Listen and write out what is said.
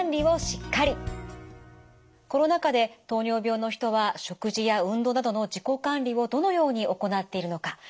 コロナ禍で糖尿病の人は食事や運動などの自己管理をどのように行っているのか。